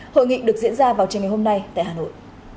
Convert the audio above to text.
hội nghị được diễn ra vào trường ngày hôm nay tại hà nội